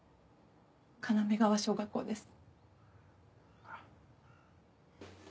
要川小学校です。